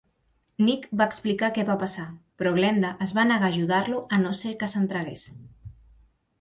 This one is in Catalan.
Nick va explicar què va passar, però Glenda es va negar a ajudar-lo a no ser que s'entregués.